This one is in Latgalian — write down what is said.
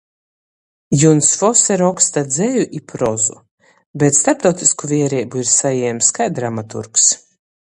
Juns Fose roksta dzeju i prozu, bet storptautysku viereibu ir sajiems kai dramaturgs.